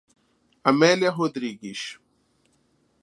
Amélia Rodrigues